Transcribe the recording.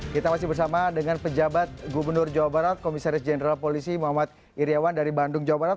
kita masih bersama dengan pejabat gubernur jawa barat komisaris jenderal polisi muhammad iryawan dari bandung jawa barat